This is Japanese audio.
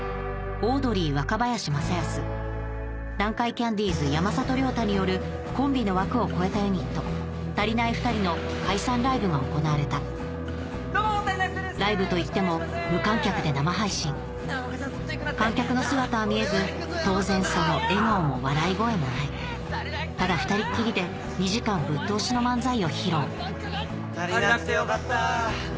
オードリー・若林正恭南海キャンディーズ・山里亮太によるコンビの枠を越えたユニットたりないふたりの解散ライブが行われたライブといっても無観客で生配信観客の姿は見えず当然その笑顔も笑い声もないただ２人っきりで２時間ぶっ通しの漫才を披露たりなくてよかった。